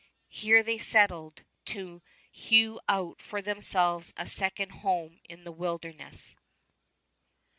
Here they settled, to hew out for themselves a second home in the wilderness.